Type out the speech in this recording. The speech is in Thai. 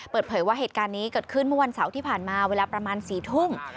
เปิดเผยว่าเหตุการณ์นี้เกิดขึ้นเมื่อวันเสาร์ที่ผ่านมาเวลาประมาณ๔ทุ่ม